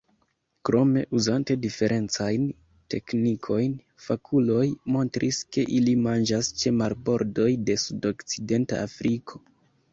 Krome, uzante diferencajn teknikojn, fakuloj montris, ke ili manĝas ĉe marbordoj de sudokcidenta Afriko.